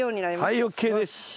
はいＯＫです。